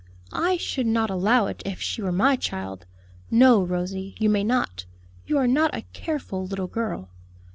"I should not allow it, if she were my child. No, Rosie, you may not; you are not a careful little girl."